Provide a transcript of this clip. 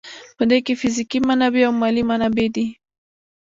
په دې کې فزیکي منابع او مالي منابع دي.